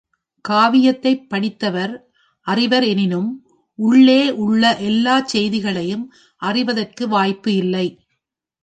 காவியத்தைப் படித்தவர் அறிவர் எனினும் உள்ளே உள்ள எல்லாச் செய்திகளையும் அறிவதற்கு வாய்ப்பு இல்லை.